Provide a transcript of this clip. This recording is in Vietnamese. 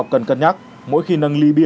có gắn chip